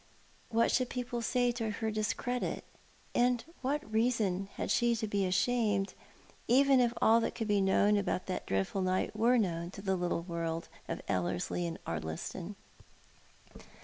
What should people say to her discredit ? What reason had she to be ashamed, even if all that could be known about that dread ful night were known to the little world of EUerslie and Ard liston